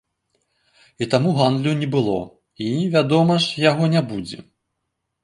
І таму гандлю не было, і, вядома ж, яго не будзе.